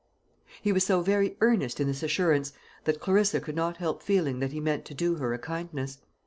He was so very earnest in this assurance, that Clarissa could not help feeling that he meant to do her a kindness.